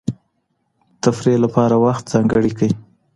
تفریح لپاره وخت ځانګړی کړئ.